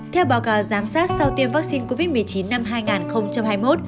theo báo cáo giám sát sau tiêm vaccine covid một mươi chín năm hai nghìn hai mươi một